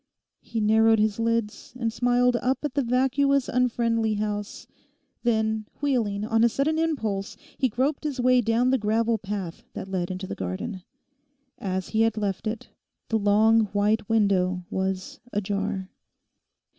He narrowed his lids and smiled up at the vacuous unfriendly house. Then wheeling, on a sudden impulse he groped his way down the gravel path that led into the garden. As he had left it, the long white window was ajar.